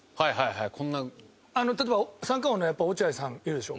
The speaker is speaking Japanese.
長嶋：例えば、三冠王の落合さんいるでしょ。